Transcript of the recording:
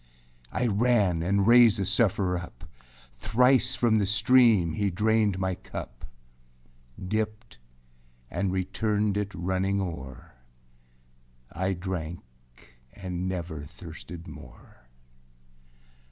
I ran and raised the suffârer up; Thrice from the stream he drained my cup, Dipped and returned it running oâer; I drank and never thirsted more.